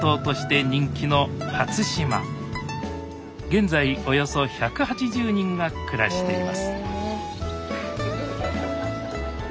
現在およそ１８０人が暮らしています